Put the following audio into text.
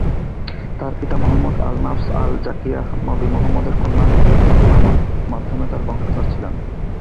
তাঁর পিতা, Muhammad al-Nafs al-Zakiyyah, নবী মুহাম্মদের কন্যা ফাতিমার মাধ্যমে তাঁর বংশধর ছিলেন।